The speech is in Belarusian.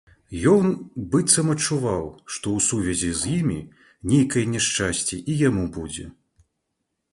Ён быццам адчуваў, што ў сувязі з імі нейкае няшчасце і яму будзе.